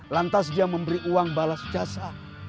lantas dia memberi uang balas jasa